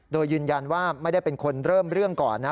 โดยยืนยันว่าไม่ได้เป็นคนเริ่มเรื่องก่อนนะ